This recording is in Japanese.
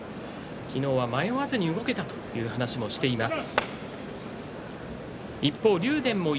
昨日は迷わずに動けたという話をしています。